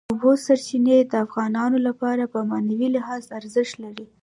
د اوبو سرچینې د افغانانو لپاره په معنوي لحاظ ارزښت لري.